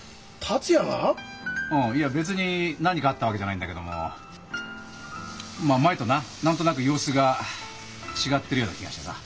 ああいや別に何かあったわけじゃないんだけどもまあ前とな何となく様子が違ってるような気がしてさ。